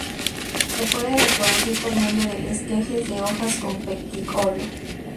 Se puede reproducir por medio de esquejes de hojas con pecíolo.